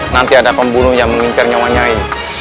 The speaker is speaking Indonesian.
nanti ada pembunuh yang mengincar nyawa nyai